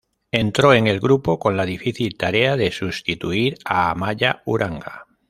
Entró en el grupo con la difícil tarea de sustituir a Amaya Uranga.